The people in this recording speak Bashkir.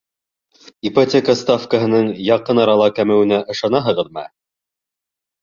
Ипотека ставкаһының яҡын арала кәмеүенә ышанаһығыҙмы?